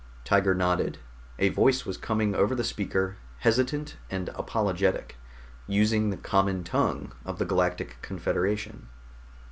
Tiger nodded. A voice was coming over the speaker, hesitant and apologetic, using the common tongue of the Galactic Confederation.